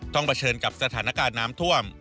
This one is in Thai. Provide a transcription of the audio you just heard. ต้องประเชิญกับสถานการณ์น้ำท่วม